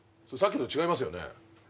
それさっきと違いますよね？